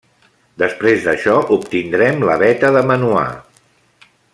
Després d'això obtindrem la veta de manuar.